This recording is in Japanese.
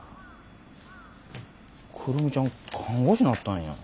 久留美ちゃん看護師なったんや。